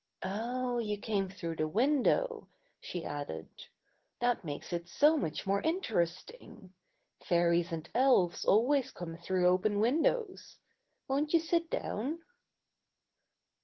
"Oh, you came through the window," she added. "That makes it so much more inter esting. Fairies and elves always come through open windows. Won't you sit down?"